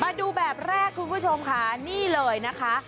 มาดูแบบแรกคุณผู้ชมค่ะนี่เลยนะคะ